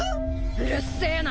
うるせえな！